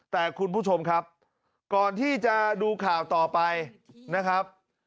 แต่คุณผู้ชมครับก่อนที่จะดูข่าวต่อไปนะครับ